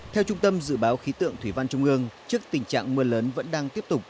theo trung tâm dự báo khí tượng thủy văn trung ương trước tình trạng mưa lớn vẫn đang tiếp tục